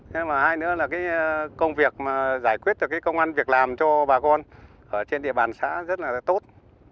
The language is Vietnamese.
thế mà hai nữa là cái công việc mà giải quyết được cái công an việc làm cho bà con ở trên địa bàn xã rất là tốt